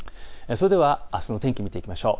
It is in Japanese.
それではあすの天気を見ていきましょう。